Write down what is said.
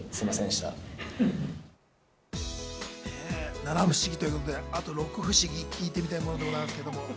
７不思議ということで、あと６不思議、聞いてみたいものです。